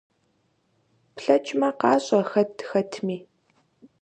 ПлъэкӀмэ, къащӀэ хэт хэтми!